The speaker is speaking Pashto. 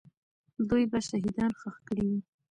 دوی به شهیدان ښخ کړي وي.